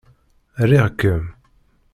Riɣ-kem.